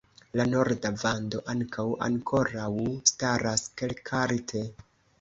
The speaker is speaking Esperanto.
La norda vando ankaŭ ankoraŭ staras kelkalte.